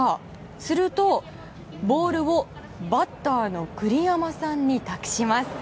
すると、ボールをバッターの栗山さんに託します。